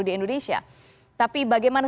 di indonesia tapi bagaimana